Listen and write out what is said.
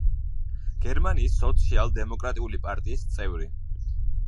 გერმანიის სოციალ-დემოკრატიული პარტიის წევრი.